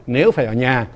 nếu phải ở nhà